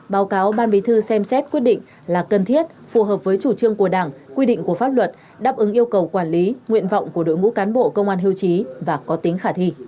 báo cáo ban bí thư xem xét quyết định là cần thiết phù hợp với chủ trương của đảng quy định của pháp luật đáp ứng yêu cầu quản lý nguyện vọng của đội ngũ cán bộ công an hưu trí và có tính khả thi